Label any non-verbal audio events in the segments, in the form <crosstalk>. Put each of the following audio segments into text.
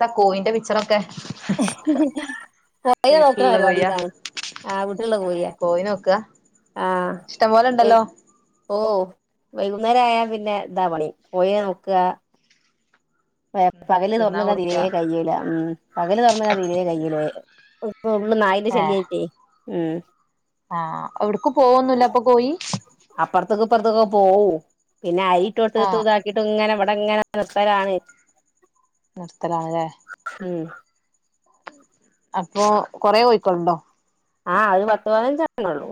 ത്ത കോയിന്റെ പിച്ചറൊക്കെ കോയിന് നോക്കുന്ന വീട്ടിലുള്ള കോഴിയാ പരിപാടിയിലാണ് ആ വീട്ടിലുള്ള കോയിയനെ ഇഷ്ട്ടം പ്പോലെണ്ടല്ലോ വൈകുന്നേരായാ പിന്നെ ദാ പണി കൊയ്യേ നോക്ക <unintelligible> പകല് തിന്നാൻ തൊറന്നിടാൻ തീരെ കൊടുക്കാ കയ്യൂലാ ഉം പകല് തൊറന്നിടാൻ തീരെ കയ്യൂലാ ഇപ്പോ ഫുള്ള് നായീന്റെ ഏ ശല്യായിറ്റേ. ഉം ആഹ് എവിടക്കും പോവൊന്നൂല്ലാ അപ്പോ കോയി? ത്തുക്കും ഇപ്പർത്തൊക്കെ പോവും. പിന്നെ അരി ഇട്ടു കൊടുത്ത് ആഹ് ഇതാക്കിട്ടിങ്ങനെ ഇവ ടങ്ങനെ നിർത്തലാണ്. നിർത്തലാണല്ലേ? ഉം അപ്പോ കൊറേ കോയിക്കളുണ്ടോ? ആ അത് പത്ത് പതിനഞ്ചെണ്ണേള്ളൂ.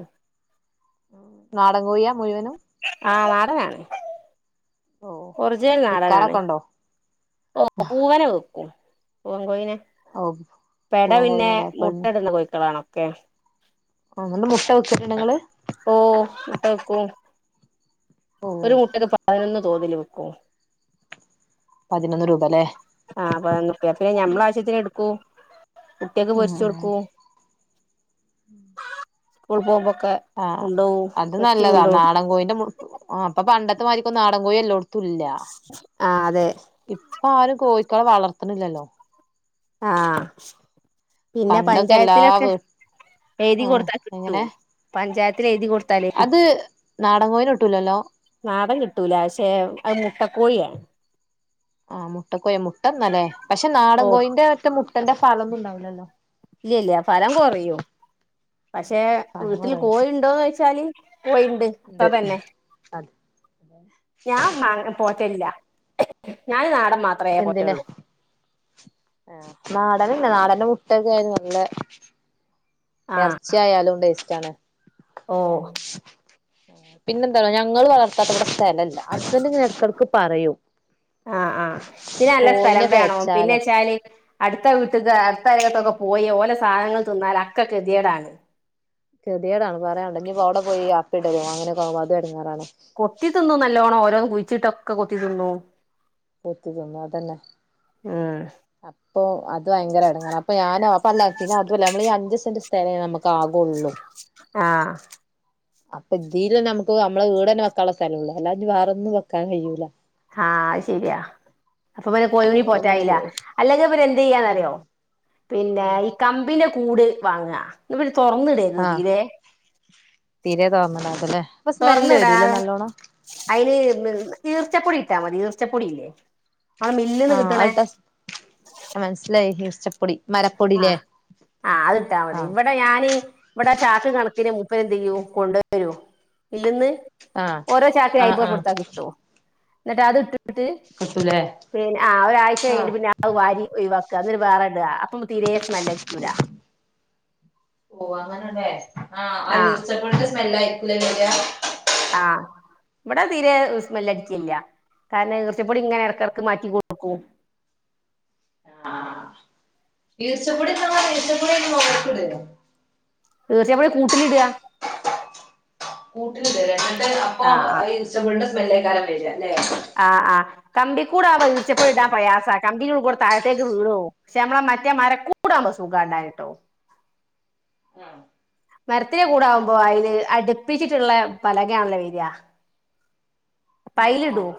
നാടൻ കോഴ്യാ മുഴുവനും? ആ നാടനാണ്. ഓ ഒറിജിനൽ നാടനാണ് വിക്കാറൊക്കെ ഉണ്ടോ ഓ പൂവനെ വ്ക്കും പൂവൻ കോയിനെ ഓ പെട പൂവൻ പിന്നെ കോഴിനല്ലേ മുട്ട ഇട്ണെ കോഴിക്കളാണോ ക്കെ ഉം ന്നട്ട് മുട്ട വിക്കല്ണ്ടോ ങ്ങള് ഓ മുട്ട വെക്കും ഒരു മുട്ടക്ക് പതിനൊന്ന് തോതിൽ വിക്കും പതിനൊന്ന് രൂപലേ ആ പൈനൊന്നുർപ്പ്യ പിന്നെ ഞമ്മളെ ആവശ്യത്തിന്ട്ക്കും കുട്ട്യാക്ക് ഉം ഉം പൊരിച്ചൊട്ക്കും <unintelligible> ആ അത് നല്ലതാ നാടൻ കോഴിന്റെ മുട് പ്പ പണ്ട ത്തെമാരിക്ക് നാടൻ കോഴി എല്ലോ തുല്ലാ ആഹ് അതെ പ്പൊ ആരും കോഴിക്കളെ വളർത്ണില്ലല്ലോ ആഹ് പിന്നെ പണ്ടൊക്കെ എല്ലാ പഞ്ചായത്തിലൊക്കെ വീ എഴുതി ആ കൊടുത്താൽ കിട്ടൂ എങ്ങനെ പഞ്ചായത് എഴുതി കൊ അത് <unintelligible> നാടൻ കോയിനെ കിട്ടൂലല്ലോ നാടൻ കിട്ടൂല പക്ഷെ മുട്ട കോഴിയാണ് ആ മുട്ടക്കോഴി മുട്ടന്നലേ പക്ഷെ നാടൻ ഓഹ് കോയിന്റെ മുട്ടന്റെ ഫലൊന്നുംണ്ടാവൂലല്ലോ ഇല്ല ഇല്ല ഫലം കൊറയും പക്ഷെ ഫലം വീട്ടില് കുറയും കോഴിണ്ടോന്ന് ചോയ്ച്ചാല് കോയിണ്ട് ഉണ്ട് ഇപ്പ തന്നെ അത് ഞാൻ <unintelligible> പോറ്റലില്ല ഞാൻ നാടൻ മാത്രമേ എന്തിന് പോറ്റുള്ളൂ ആ നാട <unintelligible> നാടൻ <unintelligible> മുട്ടക്കെ ആയ്‌ന് നല്ല എർച്ചിയായാലും <unintelligible> <unintelligible> ഓ പിന്നെന്താണോ ഞങ്ങള് വളർത്താത്ത <unintelligible> സ്ഥലല്ല <unintelligible> എടക്കടക്ക്‌ പറയും ആ ആഹ് ഇത് നല്ല സ്ഥലം കോയിനൊക്കെ വേണം പിന്നെ വെച്ചാലോ ച്ചാല് അടുത്ത <unintelligible> അടുത്തകത്തൊക്കെ പോയി ഓലെ സാധനങ്ങൾ തിന്നാൽ അക്കെ കെതിയടാണ് കൃതിയേടാണ് പറയാനുണ്ട് ഇനിപ്പോ അവിടെ പോയിപ്പിടോ അങ്ങനെക്കോ അത ഇടങ്ങാറാണ് കൊത്തി തിന്നും നല്ലതോണം ഓരോന്ന് <unintelligible> ചിട്ടൊക്കെ കൊത്തി തിന്നു പത്തി ന്നു അതന്നെ ഉം അപ്പൊ അത് യങ്കര എടുങ്ങണം അപ്പൊ ഞാനും അപ്പല്ല പിന്നെ അല്ല നമ്മള് അഞ്ച് സെന്റ് തെ നമുക്ക് ആകള്ളൂ ആ അപ്പൊ ഇതില നമുക്ക് നമ്മളെ വീട് തന്നെ വെക്കാനുള്ള സ്ഥലം ഉള്ള അല്ലാ വേറന്നും വെക്കാൻ കഴിയൂല്ല ആ ആയ് ശരിയാ അപ്പൊ പി കോഴിനി അതോണ്ട് പിന്നെ പോറ്റായില്ല പോയി അല്ലെങ്കിൽ പി എന്ത് ചെയ്യാന്നറിയോ ഉം പിന്നെ ആഹ് ഈ കമ്പിനെ കൂട് വാങ്ങ തുറന്നിടരുന്നു ആഹ് തീരെ തീരെ തോന്നണ്ടാവൂലല്ലേ അപ്പൊ സ്മെല്ല് തുറന്നടാ വരൂല്ലേ നല്ലോണം അയിന് തീർച്ചപ്പൊടി ഇട്ടാൽ മതി ഈർച്ചപ്പൊടിയില്ലേ നമ്മളെ ആ മില്ലിന്ന് കിട്ടണേ ഔട്ടസു മനസിലായി ആഹ് ആ് അത് ഇട്ടാൽ മതി ആഹ് ഇവിടെ ഞനീ ഇവിടെ ചാക്ക് കണക്കന് അപ്പ എന്ത് ചെയ്യും കൊണ്ട വരോ ഇല്ലന്ന് ആഹ് ഓരോ ചാക്രി ആഹ് അയിപോർ ആഹ് കൊടുത്താ കിട്ടും എന്നിട്ടത് ട്ട് കിട്ടൂലേ പിന്നെ ആ ഒരാഴ്ച ആഹ് കഴിഞ്ഞിട്ട് പിന്നെ അത് വാരി ഒയിവാക്ക കാത്തൊരു <unintelligible> <unintelligible> ഇപ്പം തീരെ സ്മെല്ലടിക്കൂല അതേ ആഹ് ആ ഈർച്ചപ്പൊടിടെ സ്മെല്ലായി ക്കൂലല്ല്യ ആഹ് ഇവിടെ തീരെ സ്മെല് അടിച്ചില്ല്യ കാരണം ഈർച്ചപ്പൊടി ഇങ്ങനെ എടക്കെടക്ക് മാറ്റി കൊടുക്കും ആ ഈർച്ചപ്പൊടി <unintelligible> പ്പൊടി <unintelligible> ഈർച്ച ഞമ്മള് <unintelligible> കൂട്ടിലിട <unintelligible> അപ്പൊ ഇഷ്ടപ്പെട്ട സ് <unintelligible> ല്ലേ കാരം പര ലേ ആ ആ കമ്പി കൂട് ആവുമ്പോ ഈർച്ചപ്പൊടി ഇടാൻ പ്രയാസ കമ്പി ടെ ഉള്ള്ക്കൂടേ താഴത്തേക്ക് വീണ് പോവും. പക്ഷെ നമ്മളെ മറ്റേമര കൂടാവുമ്പോ സുഖാടാന് ട്ടോ ആ മരത്തിന്റെ കൂടാവുമ്പോ അയില് അട്പ്പിച്ചിട്ട്ള്ളെ പലകയാണല്ലോ വര ആഹ് ആഹ് പൈലിടുവോ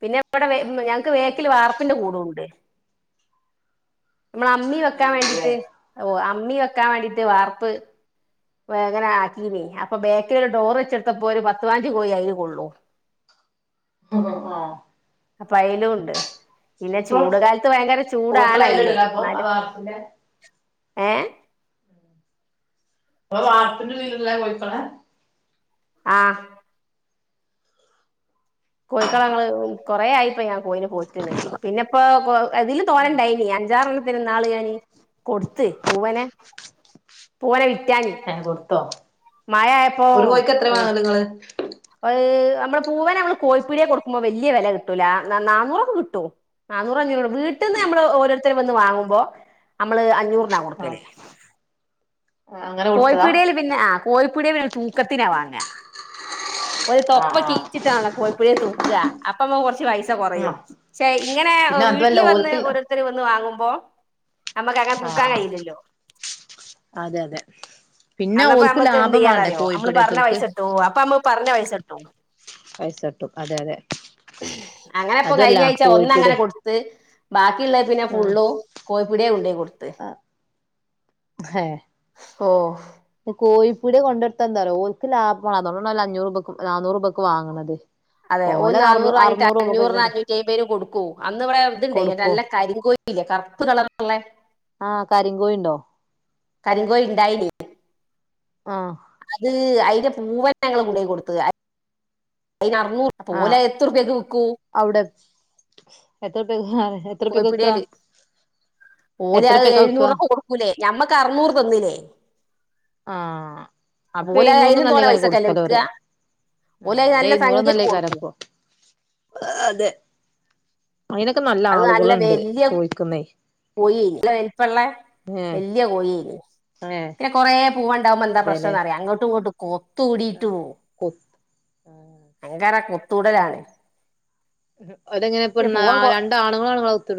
പിന്നെ ഇബടെ വെ ഞങ്ങക്ക് ഉം വേക്കിൽ വാർപ്പിന്റെ കൂടുണ്ട് നമ്മള അമ്മി വെക്കാൻ അയിലുള്ളൂല്ലേ വേണ്ടീട്ട് ഓ അമ്മി വെക്കാൻ വേണ്ടിട്ട് വാർപ്പ് വേഗന ആക്കീന് അപ്പൊ ബേക്കിൽ ഒരു ഡോർ വെച്ചെടുത്തപ്പോ ഒരു പത്ത് പയിനഞ്ച് കോയി അയില് കൊള്ളും ആ അപ്പ അയ്ലുണ്ട് പിന്നെ അപ്പൊ ചൂട്കാലത്ത് ഭയങ്കര ചൂടാണ് കോഴിക്കളെ അയില് അയിലിടലാ അപ്പൊ ആ ഇന്നാലും വാർപ്പിന്റെ ഏ അ വാർപ്പിൻ്റെ <unintelligible> കോയിക്കടേ ആ കോയിക്കട ഞങ്ങള് കൊറേ ആയിപ്പോ ഞ കോയിനെ പോറ്റാണ് പിന്നെപ്പോ കോ അതില് ഉം തോന്നണ്ടായില്ല്യ അഞ്ചാറെണ്ണം ത്തിനെ ഇന്നാള് കൊട്ത്ത് ഞാൻ പൂവനെ പോ <unintelligible> ഏ കൊടുത്തോ മയയായപ്പോ ആ <unintelligible> <unintelligible> നമ്മള് പൂവനെ നമ്മള് കോയി പ്പീടിയേ കൊടുക്കുമ്പോ വല്ല്യ വെല കിട്ടൂല ന നാന്നൂറൊക്കെ കിട്ടും നാന്നൂറഞ്ഞൂറ് വീട്ടിന്ന് നമ്മള് ഓരോരുത്തര് വന്ന് വാങ്ങുമ്പോ അമ്മള് അഞ്ഞൂർ നാ ആഹ് കൊടുക്കല് അങ്ങനെ കൊടുത്തതാ കോയിപ്പീടിയയിൽ പിന്നെ ആ കോയിപ്പിടിയയിൽ <unintelligible> തൂക്കത്തിനാ വാങ്ങാ ഓല് തൊപ്പ ആഹ് ആഹ് കീച്ച്ട്ടാണല്ലോ കോഴിപ്പീടിയെ തൂക്ക അപ്പം അമ്മ കൊറ <unintelligible> ച്ച് പൈസ കൊറയും. ആഹ് പക്ഷേ ഇങ്ങനെ പിന്നെ അതുവല്ല വീട്ടില് വന്ന് ഓൽക്കില്ല ഓരോരുത്തര് വന്ന് വാങ്ങും ഓ നമ്മക്ക് അങ്ങനെ ആഹ് തൂക്കാൻ ആഹ് കയില്ലല്ലോ അതെ അതെ പിന്നെ അന്നപ്പ ഓൽക്ക് നമ്മക്ക് എന്ത് ലാഭം വേണ്ടേ ചെയ്യാന്നറിയോ നമ്മള് പറഞ്ഞ കോഴിപ്പീടേത്തോൽക്ക് പൈസ <unintelligible> അപ്പൊ നമ്മ പറഞ്ഞ പൈസട്ടും പൈസ കിട്ടും അതെ അതെ അങ്ങനെപ്പൊ അതല്ല കഴിഞ്ഞ ആഴ്ച കോഴിപ്പീട് ഒന്നങ്ങനെ കൊട്ത്ത് ബാക്ക ക്കിള്ളതിന്നെ ആഹ് ഫുള്ളും കോഴിപ്പിടിയെ കൊണ്ടോയ് കൊട്ത്ത് ഓഹ് കോഴിപ്പീടിയെ കൊണ്ടോടുത്താ ന്താറിയോ ഓൽക്ക് ലാഭാണ് <unintelligible> അഞ്ഞൂറ് രൂപക്കും നനൂറ് രൂപക്കും വാങ്ങണത് അതെ ഒരു ഓലത് അറു നാന്നൂറ് വാങ്ങിട്ട് അറുന്നൂറ് അഞ്ഞൂറിന് രൂപക്കൊക്കെ അഞ്ഞൂറ്റി അയ്പെന് കൊടുക്കു അന്ന് ഇവിടെ ഇതുണ്ടേ കൊടുക്കും നല്ല കരിങ്കോഴില്ലേ കറുപ്പ്‌ കളറ്ള്ളേ ആഹ് കരിങ്കോഴിണ്ടോ കരിങ്കോഴി ഇണ്ടായിനി ആഹ് അത് അയിന്റെ പൂവ്വനെ ഞങ്ങള് കൊണ്ടൊയ് കൊട്ത്ത് അ അയിന് അറ്ന്നൂറ് <unintelligible> ആഹ് ഓലഅ് എത്രൊപ്പ്യ ക്ക് വിക്കും അവിടെ എത്രറുപ്യക്കാ എത്രറുപ്യക്കാ വിക്കാ കോയിപ്പീട്യേല് ഓരഅ് എത്രറുപ്യക്കാ വിക്കാ എഴ്ന്നൂറൊക്കെ കൊട്ക്കൂലേ ഞമ്മക്ക് അറ്ന്നൂറ് തന്നില്ലേ ആ അപ്പൊ ഓല് അതിനും തോനെ എഴുന്നൂറിനൊന്നല്ലേക്കാരം പൈസക്കല്ലേ കൊട്ക്കല് ഓര് വിൽക്കുക ആ ഓല് അത് നല്ല സംഖ്യക്ക് ഓലെഴ്ന്നൂറൊന്നല്ലേക്കാരം കൊടുക്കും അപ്പോ അതെ അയ്നൊക്കെ നല്ല ആള്കള്ണ്ട് ചോയ്ക്കുന്നേ കോയേനി നല്ല വെല് പ്പെല്ലേ വെല്ല്യ കോയേനി ഏഹ് പിന്നെ കൊറേ പൂവ്വണ്ടാവുമ്പോ എന്താ പ്രശ്ന അതെല്ലേ ന്നറിയോ അങ്ങോട്ടുങ്ങോട്ടു കൊ തൂടിട്ട് ആഹ് പോവും കൊത്ത് ആഹ് ഭയങ്കാര കൊ ത്തൂടലാണ് ഓരെങ്ങനെ പൊണ്ണാ ആ രണ്ടാണ്ങ്ങ <unintelligible> കൊത്ത്ട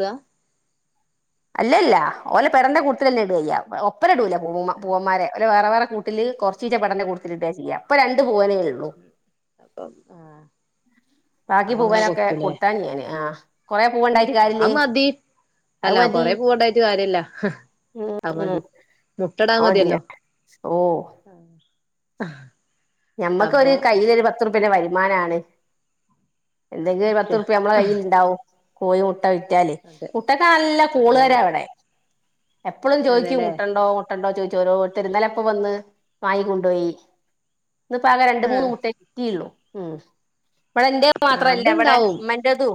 അല്ലല്ല ഓല പെടന്റെ കൂട്ടത്തിലെന്നെ ഇടെയ്യ ഒപ്പരടൂല പൂവ്വമ്മാ പൂവ്വമ്മാരെ ഓലെ വേറെ വേറെ കൂട്ടില് കൊർച്ചിച്ചെ പെടെന്റെ കൂട്ടത്തില് ഇടാ ചെയ്യാ ഇപ്പൊ രണ്ട് പൂവനെ ഉം അപ്പം ആ ബാക്കി പൂവനൊക്കെ കൊട്ത്താഞ്ഞ് ഞാന് ആ കൊറേ പൂവുണ്ടായിട്ട് ആ കാര്യല്ലേ മതി, അത് അല്ല മതി കൊറെ പൂവണ്ടായിട്ട് കാര്യ ഇല്ല, ഉം അത് ഉം മതി മുട്ടടാ അത് മതിയാ മതിയല്ലോ ഓ ആ. ഹഅ. ഞമ്മക്കൊരു കയ്യില ഒരു പത്ത് റുപ്യക്ക് വരുമാനാണ്. എന്തെങ്കിലും ഒരു സത്യ പത്ത് റുപ്യ നമ്മടെ കയ്യിൽ ഇണ്ടാവും. കോയി ഉ മുട്ട വിറ്റാല് അതെ മുട്ടക്കെ നല്ല അതെ അതെ കോളാരവടെ എപ്പോഴും ചോദിക്കും അതെല്ലേ മുട്ടണ്ടോ മുട്ടണ്ടോ ചോദി ചോരോരുതര് ന്നലപ്പവന്ന് വാങ്ങി കുണ്ടോയി ഇന്ന്പ്പോ അകെ രണ്ട് മൂന്ന് ആഹ് മുട്ടേ കിട്ടീള്ളൂ ഉം ഇവടെ എന്റെ മാത്രല്ല ഇവടെ അത്ണ്ടാവും ഇമ്മൻ്റെതും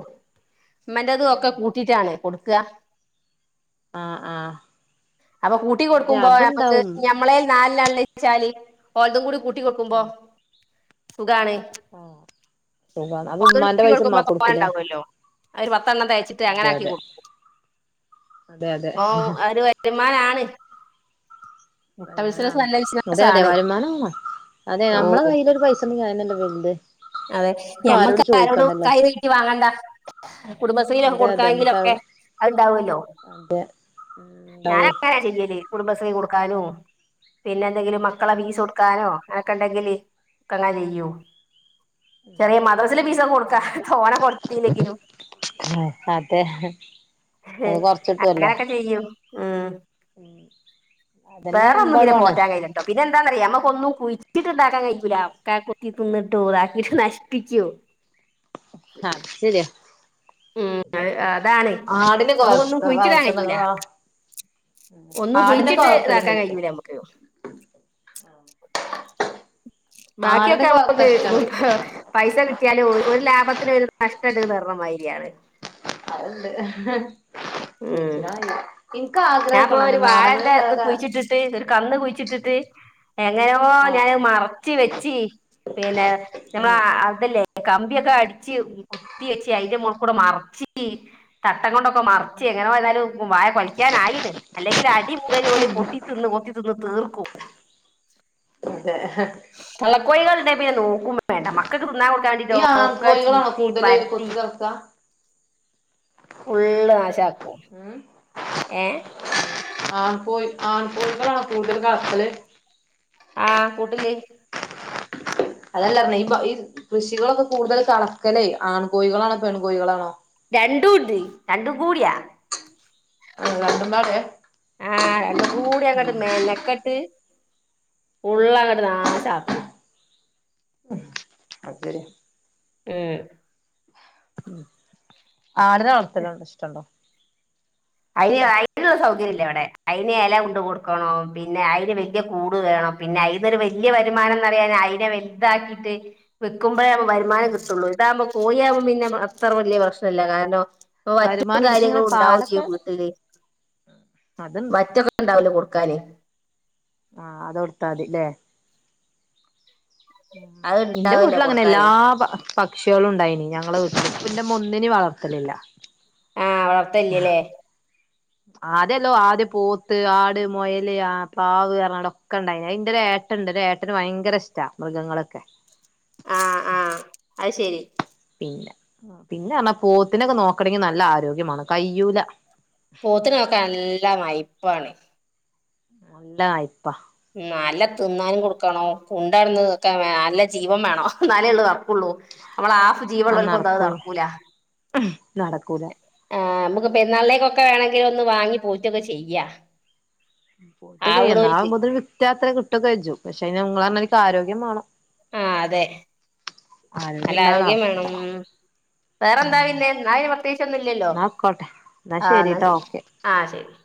മ്മൻ്റെതും ഒക്കെ കൂട്ടീട്ടാണ് കൊടു ക്ക ആഹ് ആഹ് അപ്പൊ കൂട്ടി അതെ കൊടുക്കുമ്പോ ഞമ്മക്ക് അത്ണ്ടാവും ഞമ്മളേൽ നാല്ണ്ണാള്ളേ ചാലി ഓൽതും കൂടി കൂ ട്ടി കൊക്കുമ്പോ ഉം സുഖാണ് ആഹ് സുഖാണ് അപ്പൊ ഓൽതൂടി ഉമ്മാന്റെ കൂട്ടി പൈസ കൊടുക്കുമ്പോ ഉമ്മാക്ക് കൊടുക്കൂലേ തോനെണ്ടാവല്ലോ അയ്ല് പത്തെണ്ണം തെകച്ചിട്ട് അതെ അങ്ങനാക്കി അതെ കൊടുക്കും അതെ പ്പോ അതെ അഒരു വരുമാന ബിസിനസ് വരുമാനാണ് നല്ല അതെ അതെ ബിസിനസാണ് വരുമാനാണ് അതെ ഓ നമ്മളെ കയ്യിലൊരു പൈസണ്ടെങ്കി അതനല്ലേ വൽത് അതെ ഞമ്മക്ക് ആരോട് കൈ നീട്ടി വാങ്ങണ്ട കുടുംബശ്രീയിലൊക്കെ അതെ അതെ നമുക്ക് കൊടുക്കണെങ്കിലൊക്കെ അവിടെ അത്ണ്ടാവല്ലോ അതെ ഉണ്ടാവേ ഞാനങ്ങനാ ചെയ്യല് കുടുംബശ്രീ കൊടു ക്കാനും പിന്നെ എന്തെങ്കിലും മ ക്കളെ ഫീസാെട്ക്കാനോ അക്കെണ്ടെങ്കില് കങ്ങ ചെയ്യും ചെറിയ മദ്റസ് ലെ അതന്നെ ഫീസാെക്ക കൊട്ക്കാ തോനെ കൊടുത്തില്ലെങ്കിലും ആഹ് അതെ ഹേ അത് കൊറച്ചിട്ടുവല്ലോ അങ്ങനെയൊക്കെ ചെയ്യും ഉം അതന്നെ വേറൊന്നും പിന്നെ എമ്പാടുവാണ് പോറ്റാൻ കയ്യില്ല ട്ടോ പിന്നെ എന്താെന്നറിയ ഞമ്മക്കൊന്നും കുഴിച്ചിട്ട് ഇണ്ടാക്കാൻ കഴിയൂല ഒക്കെ കുത്തി തിന്നിട്ടു താക്കിട്ടും നശ്പ്പിക്കും ആ അത് ശെരിയാ ഉം അ അതാണ് ആടിനൊക്കെ നമ്മുക്കൊന്നും വളർത്ത കുഴിച്ചിടാൻ വളർത്തണ കയ്യൂല ആ ഒന്നും ആടിനൊക്കെ കുഴിച്ചിട്ട് വളർത്തലുണ്ടോ താക്കാൻ ചോദിച്ചേ കഴിയൂല ഞമ്മക്ക് ബാക്കിയൊക്കെ ആടിനൊക്കെ നമുക്ക് വളർത്താൻ ഇഷ്ടാണ് എനിക്ക് പ പൈസ കിട്ട്യാലും ഒരു ലാഭത്തിന് ഒരു നഷ്ട ട്ട് ട് തർണമായ്രിയാണ് അല്ലെ ഉം ആഗ്രഹമൊക്കെ ഞാൻപ്പൊ ഉണ്ട് ഒരു അങ്ങനെ വാഴന്റെ ഇത് നാടൻ കുഴിച്ചിട്ടിട്ട് ഒരു കന്ന് കുഴിച്ചിട്ടിട്ട് എങ്ങനെയോ ആഹ് ഞാൻ മറച്ച് വെച്ചി പിന്നെ നമ്മള ഉം അതില്ലേ കമ്പിയൊക്കെ അടിച്ച് കുത്തി വെച്ച് അതിന്റെ മോള് കൂടെ മറച്ച് തട്ടം കൊണ്ടൊക്കെ മ ച്ച് എങ്ങനെ പോയാലും പ്പോ വാഴ കൊലക്കാനായിന്ന് അല്ലെങ്കിൽ അടി മുതൽ ഓല് കൊത്തി തിന്ന് കൊത്തി തിന്ന് തീർക്കും <inaudible> അതെ തള്ള കോഴിക നോക്കുമ്പോ വേണ്ട മക്ക ന്നാ കൂട്ടാ വേണ്ടിട്ടോ ഈ ക്ക ആൺകോഴികളാണോ ചീക്കി കൂടുതൽ പരത്തി കൊത്തി കറക്ക ഫുള്ള് ആശക്കും ഏ ആൺ കോഴി ആൺ കോഴി കളാണോ കൂടുതൽ കളക്കൽ ആഹ് കൂട്ടില് അതല്ല ഈ ഈ കൃഷികളൊക്കെ കൂടുതൽ കളക്കല്ലേ ആൺ കോഴികളാണോ പെൺ കോഴികളാണോ രണ്ടു ഉണ്ട് രണ്ടു കൂടിയ അ രണ്ടും പാടെ ആഹ രണ്ട കൂടി അങ്ങോട്ട് മേനക്കട്ട് ഉള്ള അ ങ്ങട്ട് നാശാക്കും അ <unintelligible> ഉം ഉം ആടിന വളർത്തലണ്ട് ഇഷ്ടുണ്ടോ അതിന് അതിനൊരു സൗകര്യം ഇല്ല എവിടെ അയിന് ഇല കൊണ്ട കൊടുക്കണം പിന്നെ അയിന് വല്യ കൂട് വേണം പിന്നെ അതിനൊരു വല്യ വരുമാനംന്ന്റിയ അതിനെ വലുതാക്കിട്ട് വെക്കുമ്പോഴേ വരുമാനം ഉം കിട്ടുള്ളൂ ഇതാവകുമ്പോ കോഴിയകുമ്പോം പിന്നെ അത്ര വലിയ പ്രശ്ന ഇല്ല കാരണം മറ്റു വരുമാനണ്ട് പക്ഷെ കാര്യങ്ങളും ഇങ്ങനെ ഉണ്ടാവു പാലൊക്കെ ചെയ്യും വി അതുണ്ട് മറ്റൊക്കെ ഉണ്ടാവില്ലേ കൊടു കാല് ആഹ അത കൊടുത്താതില്ലേ ഉ അത് ഇന്റെ ഉണ്ടാവല്ലോ വീട്ടില അങ്ങനെ എല്ലാ കൊടുക്കാന് പക്ഷികള ഉണ്ടായിനി ഞങ്ങള് വിട്ടില് ഇന്റെ ഉമ്മ വളർത്തലില്ല അ വളത്തല്ലല്ലേ ആതല്ലോ ആദ്യ പോത്ത് ആട് മൊയല് ആ പാവ് പറഞ്ഞാട് ഒക്കെ ഇണ്ടായി അതിന്റെ ഏട്ടണ്ട് ഏട്ടന് ഭയങ്കര ഇഷ്ട മൃഗങ്ങളൊക്കെ അ അ അഹ് ശരി പിന്നെ പിന്നെ പറഞ്ഞ പോത്തിനൊക്കെ നോക്കണമെങ്കി നല്ല ആരോഗ്യമാണ് കയ്യൂല പോത്ത്നെ നോക്കാൻ നല്ല മൈ വൺ അല്ല ആയിപ്പാ നല്ല തിന്നാനും കൊടുക്കണോ കൊണ്ടടുന്നത്ക്ക നല്ല ജീവം വേണോ എന്നാലേ ഉള്ള തറക്കുള്ളൂ നമ്മള ആഫ ആ ജീവണവക്ക ഒന്ത അത് നടക്കുള്ളൂ നടക്കൂല നടക്കൂല പെരുന്നാളേക്കൊക്കെ വേണമെങ്കിൽ ഒന്ന് വാങ്ങി പൂജയൊക്കെ ചെയ്യാ പോട്ട് കേ നാ ആവ്ണോൽക്ക് മുതൽ രാത്രി ഫുട്ടൊക്കെ കഴിച്ചു പക്ഷെ നിങ്ങൾ കാരണം എനിക്ക് ആരോഗ്യ വേണം ആ അതെ നല്ല ഇല്ലാതെ ആരോഗ്യം വേണം നടക്കൂല ഉം വേറെന്താന്നെ എന്നും പ്രത്യേകിച്ചൊന്നുംല്ലല്ലോ എന്നാ ആയിക്കോട്ടെ ആ എന്നാ ശരിട്ടോ ശരി ഓക്കെ ആ ശരി